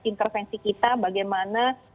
intervensi kita bagaimana